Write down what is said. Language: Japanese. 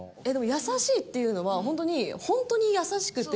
優しいっていうのはほんとにほんとに優しくて。